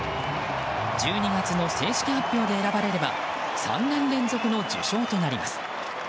１２月の正式発表で選ばれれば３年連続の受賞となります。